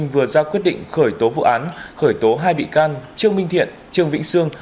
vừa ra quyết định khởi tố vụ án khởi tố hai bị can trương minh thiện trương vĩnh sương